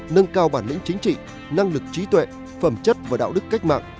nâng cao bản lĩnh chính trị năng lực trí tuệ phẩm chất và đạo đức cách mạng